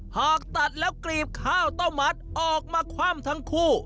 หากตัดแล้วกรีบข้าวต้มมัดออกมาคว่ำทั้งคู่